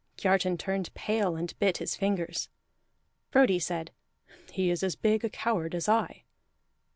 Kiartan turned pale and bit his fingers. Frodi said, "He is as big a coward as I."